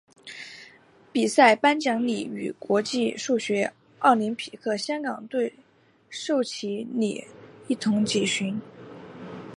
比赛颁奖礼与国际数学奥林匹克香港队授旗礼一同举行。